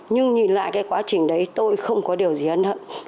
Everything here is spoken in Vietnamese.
nhưng nhìn lại cái quá trình đấy tôi không có điều gì hấn hận